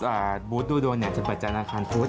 แล้วก็บุธดูดวงจะเปิดจากนาคารพุธ